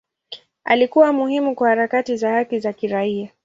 Alikuwa muhimu kwa harakati za haki za kiraia.